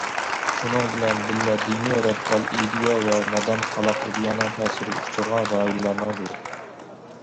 شۇنىڭ بىلەن بىللە، دىنىي رادىكال ئىدىيە ۋە نادان، قالاق ئىدىيەنىڭ تەسىرىگە ئۇچرىغان رايونلارنىڭ بىرى.